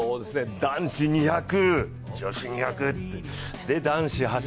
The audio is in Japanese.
男子２００、女子２００男子走